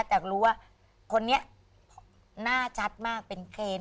แต่รู้ว่าคนนี้หน้าชัดมากเป็นเครน